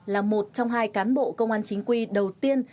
là một trong hai cán bộ công an chính quy đầu tiên